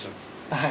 はい。